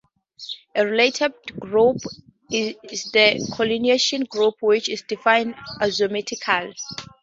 A related group is the collineation group, which is defined axiomatically.